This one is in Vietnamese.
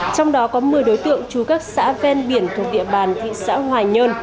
trong đó có một mươi đối tượng trú các xã ven biển thuộc địa bàn thị xã hoài nhơn